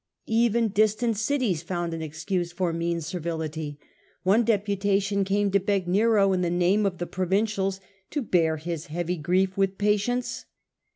Even distant cities found an excuse for mean servility. One deputation came to beg Nero in the name of the provincials to bear his heavy grief with patience.